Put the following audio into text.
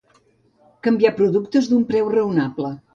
Canviar productes d'un preu raonable.